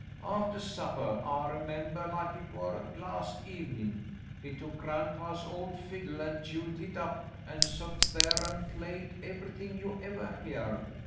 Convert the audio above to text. Aftah suppah — I remember like hit war last evenin' — he took gran'paw's old fiddle an' tuned hit up an' sot thar an* played everything you evah heered.